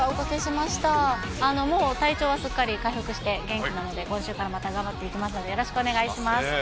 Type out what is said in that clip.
もう、体調はすっかり回復して、元気なので、今週からまた頑張っていきますのでよろしくお願いします。